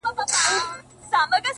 o په دومره سپینو کي عجیبه انتخاب کوي؛